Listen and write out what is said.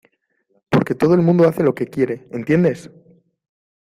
porque todo el mundo hace lo que quiere, ¿ entiendes?